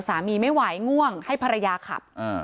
ไม่ไหวง่วงให้ภรรยาขับ